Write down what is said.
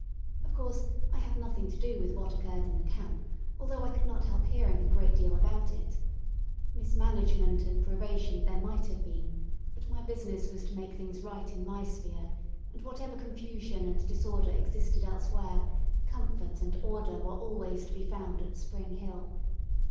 Of course, I have nothing to do with what occurred in the camp, although I could not help hearing a great deal about it. Mismanagement and privation there might have been, but my business was to make things right in my sphere, and whatever confusion, and disorder existed elsewhere, comfort and order were always to be found at Spring Hill.